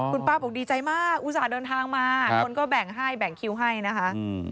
คุณป้าบอกดีใจมากอุตส่าห์เดินทางมาคนก็แบ่งให้แบ่งคิวให้นะคะ